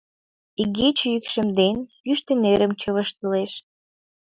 Игече йӱкшемден, йӱштӧ нерым чывыштылеш.